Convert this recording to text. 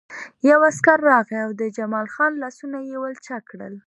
یو عسکر راغی او د جمال خان لاسونه یې ولچک کړل